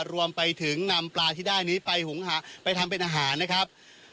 รวมไปถึงนำปลาที่ได้นี้ไปทำเป็นอาหารนะครับ